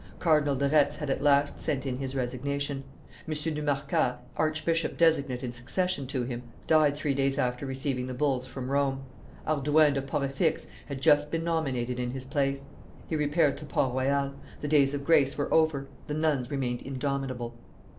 Cardinal de Retz had at last sent in his resignation. M. du Marca, archbishop designate in succession to him, died three days after receiving the bulls from Rome; Hardouin de Porefix had just been nominated in his place. He repaired to Port Royal. The days of grace were over, the nuns remained indomitable.